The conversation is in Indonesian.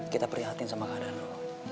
kita perlihatin sama keadaan lo